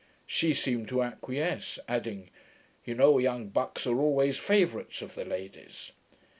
She seemed to acquiesce; adding, 'You know young BUCKS are always favourites of the ladies.'